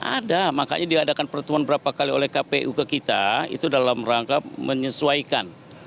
ada makanya diadakan pertemuan berapa kali oleh kpu ke kita itu dalam rangka menyesuaikan